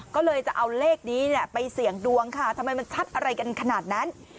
ก็เลยจะเอาเลขนี้ไปเสี่ยงดวงค่ะทำไมมันชัดอะไรกันขนาดนั้น